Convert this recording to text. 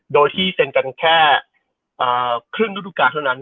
โดยที่เซ็นกันแค่ครึ่งฤดูการเท่านั้น